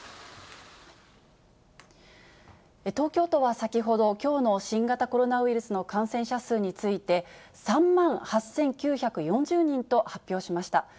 東京都は先ほど、きょうの新型コロナウイルスの感染者数について、３万８９４０人と発表しました。